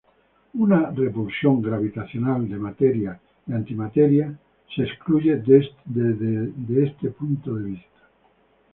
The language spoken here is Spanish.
Una repulsión gravitacional de materia y antimateria es excluida de este punto de vista.